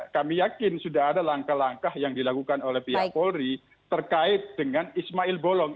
kami yakin sudah ada langkah langkah yang dilakukan oleh pihak polri terkait dengan ismail bolong